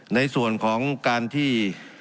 ในส่วนของการที่